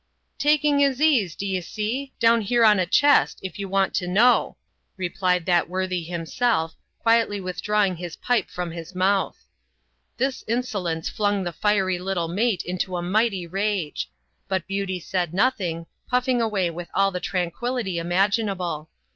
" Taking his ease, d'ye see, down here on a chest, if you want to know," replieiTthat worthy himself, quietly withdrawing his pipe from his mouth. This insolence flung the fiery little mate into a mighty rage ; but Beauty said nothing, puffing away with all the tranquillity imaginable.